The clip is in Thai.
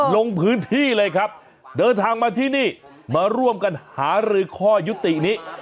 ลงพื้นที่เลยครับเดินทางมาที่นี่มาร่วมกันหารือข้อยุตินี้